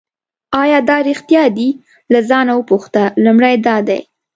آیا دا ریښتیا دي له ځانه وپوښته لومړی دا دی.